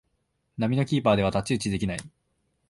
並みのキーパーでは太刀打ちできない